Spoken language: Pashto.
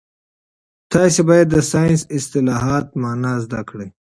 تاسي باید د ساینسي اصطلاحاتو مانا زده کړئ.